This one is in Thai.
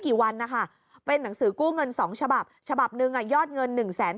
กี่วันนะคะเป็นหนังสือกู้เงิน๒ฉบับฉบับนึงยอดเงิน๑๒๐๐๐๐